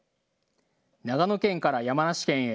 長野県から山梨県へ。